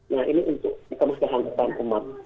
nah ini untuk dikemukakan kepada umat